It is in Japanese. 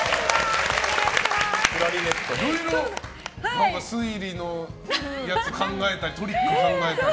いろいろ、推理のやつ考えたりトリックを考えたり。